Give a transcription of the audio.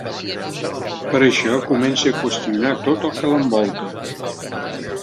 Per això, comença a qüestionar tot el que l'envolta.